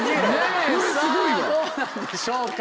さぁどうなんでしょうか？